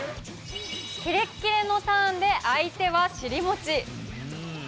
キレッキレのターンで相手は尻餅。